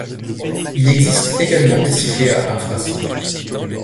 Il existe également des sifflets à infrasons.